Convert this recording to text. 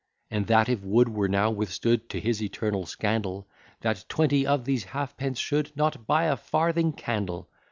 And that if Wood were now withstood, To his eternal scandal, That twenty of these halfpence should Not buy a farthing candle.